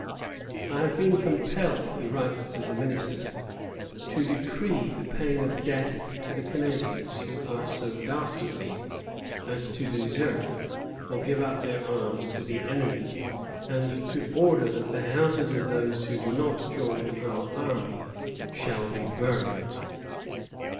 "I have been compelled," he writes to the Minister, "to decree the pain of death to the Canadians who are so dastardly as to desert or give up their arms to the enemy, and to order that the houses of those who do not join our army shall be burned."